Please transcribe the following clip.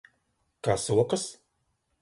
Kā sokas?